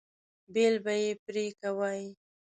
بیل به یې پرې کوئ.